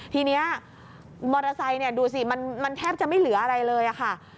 ทีนี้มอเตอร์ไซค์ดูสิมันแทบจะไม่เหลืออะไรเลยค่ะ